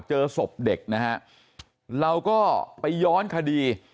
เจอศพเด็กนะฮะเราก็ไปย้อนคดี